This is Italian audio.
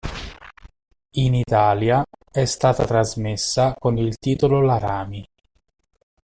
In Italia è stata trasmessa con il titolo "Laramie".